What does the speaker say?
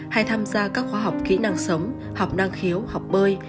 hay tham gia các khoa học kỹ năng sống học năng khiếu học bơi